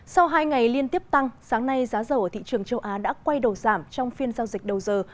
sau hai ngày liên tiếp tăng sáng nay giá dầu ở thị trường châu á đã quay đầu giảm trong phiên giao dịch đầu giờ